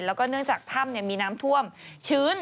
แล้วก็เนื่องจากถ้ำมีน้ำท่วมชื้น